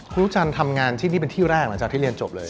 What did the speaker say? ครูจันทร์ทำงานที่นี่เป็นที่แรกหลังจากที่เรียนจบเลย